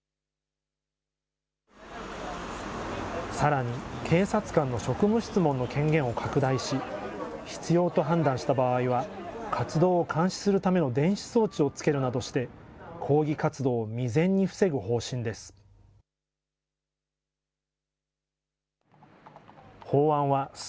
さらに、警察官の職務質問の権限を拡大し、必要と判断した場合は活動を監視するための電子装置を付けるなどして、抗議活動を未然に防ぐ方針です。